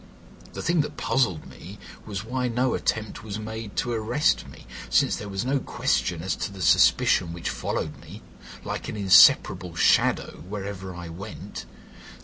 The thing that puzzled me was why no attempt was made to arrest me, since there was no question as to the suspicion which followed me, like an inseparable shadow, wherever I went.